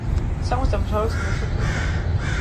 სახელმწიფოს და მთავრობის მეთაურია პრეზიდენტი.